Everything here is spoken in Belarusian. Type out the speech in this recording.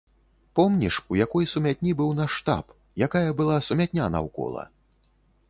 Помніш, у якой сумятні быў наш штаб, якая была сумятня наўкола?